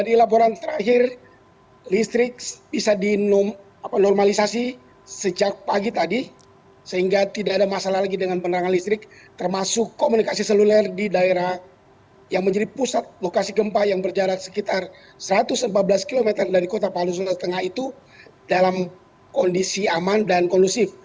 jadi laporan terakhir listrik bisa dinormalisasi sejak pagi tadi sehingga tidak ada masalah lagi dengan penerangan listrik termasuk komunikasi seluler di daerah yang menjadi pusat lokasi gempa yang berjarak sekitar satu ratus empat belas km dari kota palu jawa tengah itu dalam kondisi aman dan kondusif